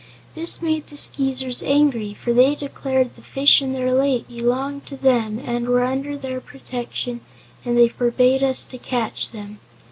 This made the Skeezers angry, for they declared the fish in their lake belonged to them and were under their protection and they forbade us to catch them.